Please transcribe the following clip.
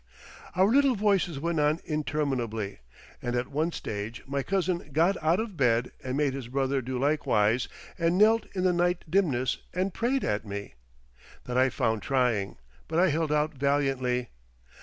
Our little voices went on interminably, and at one stage my cousin got out of bed and made his brother do likewise, and knelt in the night dimness and prayed at me. That I found trying, but I held out valiantly.